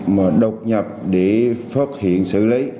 mà đột nhập để phát hiện xử lý